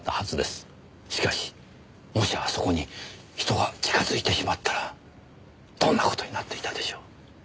しかしもしあそこに人が近づいてしまったらどんな事になっていたでしょう。